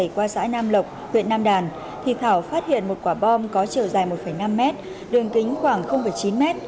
qua xã nam lộc huyện nam đàn thì thảo phát hiện một quả bom có chiều dài một năm mét đường kính khoảng chín m